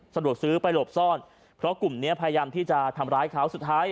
สะดวกซื้อไปหลบซ่อนเพราะกลุ่มนี้พยายามที่จะทำร้ายเขาสุดท้าย